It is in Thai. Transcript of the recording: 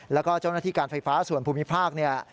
แล้วก็เจ้าหน้าที่การไฟฟ้าส่วนภูมิภาคเนี่ย